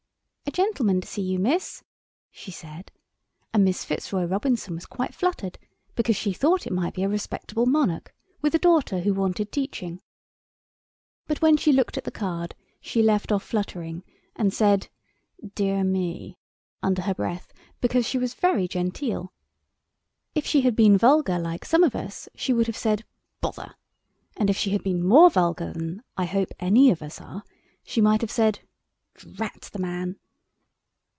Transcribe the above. "A gentleman to see you, Miss," she said; and Miss Fitzroy Robinson was quite fluttered because she thought it might be a respectable monarch, with a daughter who wanted teaching. But when she looked at the card she left off fluttering, and said, "Dear me!" under her breath, because she was very genteel. If she had been vulgar like some of us she would have said "Bother!" and if she had been more vulgar than, I hope, any of us are, she might have said "Drat the man!"